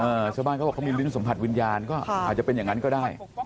ชาวบ้านเขาบอกเขามีลิ้นสัมผัสวิญญาณก็อาจจะเป็นอย่างนั้นก็ได้